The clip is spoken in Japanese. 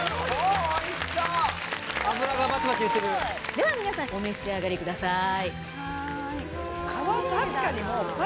では皆さんお召し上がりください。